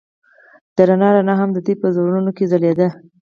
د رڼا رڼا هم د دوی په زړونو کې ځلېده.